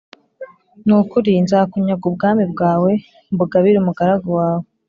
ni ukuri nzakunyaga ubwami bwawe mbugabire umugaragu wawe